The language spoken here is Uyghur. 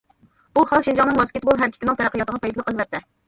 بۇ ھال شىنجاڭنىڭ ۋاسكېتبول ھەرىكىتىنىڭ تەرەققىياتىغا پايدىلىق، ئەلۋەتتە.